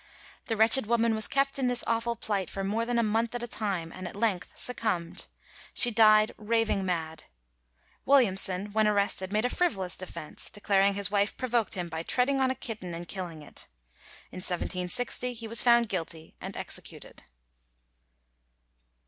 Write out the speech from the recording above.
The wretched woman was kept in this awful plight for more than a month at a time, and at length succumbed. She died raving mad. Williamson when arrested made a frivolous defence, declaring his wife provoked him by treading on a kitten and killing it. In 1760 he was found guilty and executed.